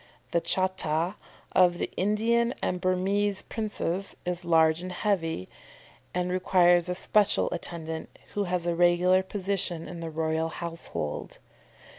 The cháta of the Indian and Burmese princes is large and heavy, and requires a special attendant, who has a regular position in the royal household.